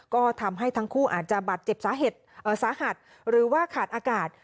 ก็ทำให้ทั้งคู่อาจจะบาดเจ็บสาหัสหรือว่าขาดอากาศ